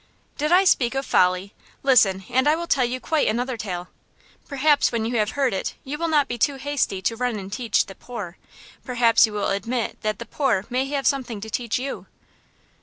Did I speak of folly? Listen, and I will tell you quite another tale. Perhaps when you have heard it you will not be too hasty to run and teach The Poor. Perhaps you will admit that The Poor may have something to teach you.